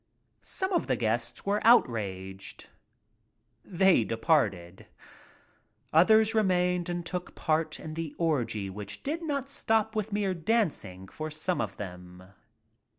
Some of the guests were outraged. They de parted. Others remained and took part in the orgy which did not stop with mere dancing for some of them.